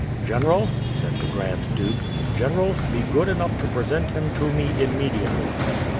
"General," said the Grand Duke, "General, be good enough to present him to me immediately."